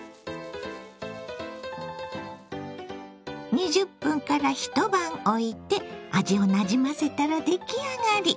２０分一晩おいて味をなじませたら出来上がり。